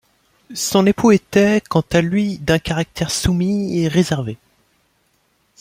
Son époux était, quant à lui, d'un caractère soumis et réservé.